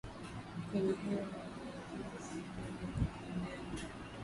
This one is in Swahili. kwenye hewa huwadhuru wanadamu wanyama mimea na